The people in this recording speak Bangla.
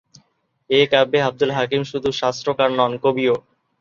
এ কাব্যে আবদুল হাকিম শুধু শাস্ত্রকার নন, কবিও।